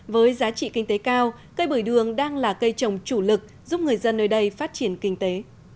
với giá trị kinh tế cao cây bưởi đường đang là cây trồng chủ lực giúp người dân nơi đây phát triển kinh tế